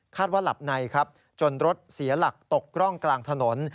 ว่าหลับในครับจนรถเสียหลักตกร่องกลางถนน